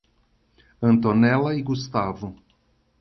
Antonella e Gustavo